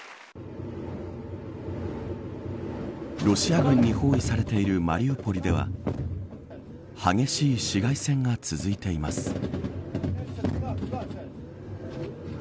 ロシア軍に包囲されているマリウポリでは激しい市街戦が続いています。